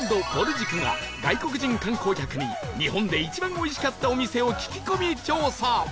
塾が外国人観光客に日本で一番おいしかったお店を聞き込み調査